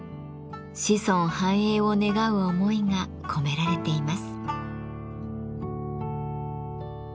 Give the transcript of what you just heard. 子孫繁栄を願う思いが込められています。